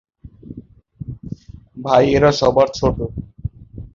ভাইয়েরা সবার ছোট।